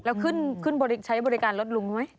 แล้วขึ้นใช้บริการรถลุงไหม